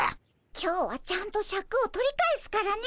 今日はちゃんとシャクを取り返すからね。